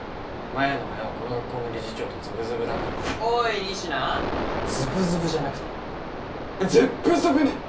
マヤの親はこの学校の理事長とズブズブだからなおい仁科ズブズブじゃなくてズッブズブね！